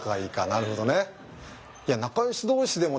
なるほどね。